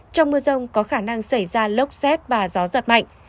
trong mưa rông có khả năng xảy ra lốc xét và gió giật mạnh